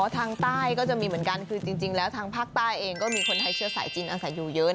ทางใต้ก็จะมีเหมือนกันคือจริงแล้วทางภาคใต้เองก็มีคนไทยเชื้อสายจีนอาศัยอยู่เยอะ